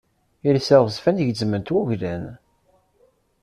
Iles aɣezfan gezzmen-t wuglan.